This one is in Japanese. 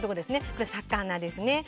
これは魚ですね。